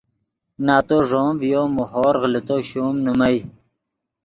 نتو ݱوم ڤیو مو ہورغ لے تو شوم نیمئے